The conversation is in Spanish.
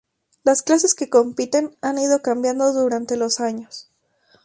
Las clases que compiten han ido cambiando durante los años.